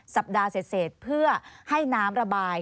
สัปดาห์เสร็จเพื่อให้น้ำระบาย